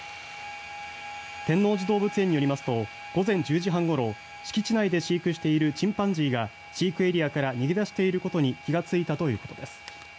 天王寺動物園によりますと午前１０時半ごろ敷地内で飼育しているチンパンジーが飼育エリアから逃げ出していることに気がついたということです。